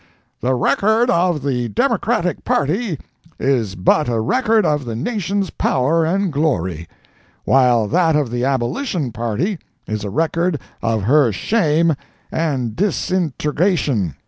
"The record of the Democratic party is but a record of the Nation's power and glory; while that of the Abolition party is a record of her shame and disintegration."